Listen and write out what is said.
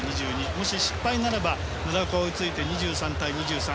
もし失敗になれば奈良岡が追いついて２３対２３。